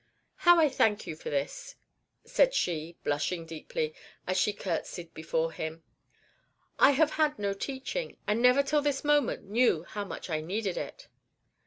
"How I thank you for this!" said she, blushing deeply, as she courtesied before him. "I have had no teaching, and never till this moment knew how much I needed it."